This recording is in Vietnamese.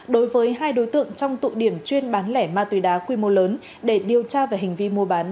đối với hai đối tượng trong tụ điểm chuyên bán lẻ ma túy đá quy mô lớn để điều tra về hành vi mua bán